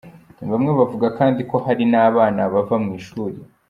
Bamwe bavuga kandi ko hari n’abana bava mu ishuri.